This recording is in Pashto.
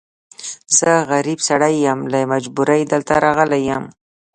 زه غريب سړی يم، له مجبوری دلته راغلی يم.